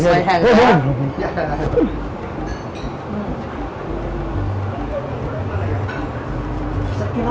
ada orang tersenyum dengan kerala ini